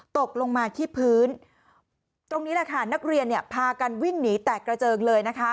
ตกลงมาที่พื้นตรงนี้นักเรียนพากันวิ่งหนีแตกระเจิงเลย